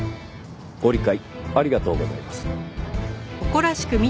ご理解ありがとうございます。